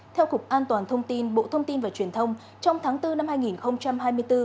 theo cục an toàn thông tin bộ thông tin và truyền thông trong tháng bốn năm hai nghìn hai mươi bốn